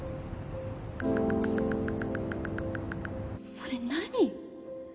それ何？